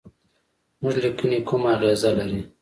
زموږ لیکني کومه اغیزه لري.